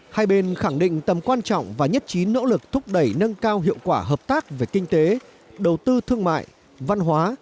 hai bên khẳng định tầm quan trọng và nhất trí nỗ lực thúc đẩy nâng cao hiệu quả hợp tác về kinh tế đầu tư thương mại văn hóa